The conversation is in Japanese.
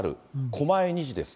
狛江２時です。